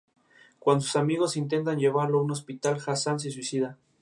Cuando sus amigos intentan llevarlo a un hospital, Hassan se suicida.